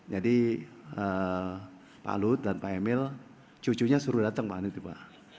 jadi pak luhut dan pak emil cucunya suruh datang pak anit juga